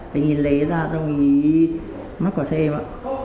anh ấy lé ra xong anh ấy mắc quả xe em ạ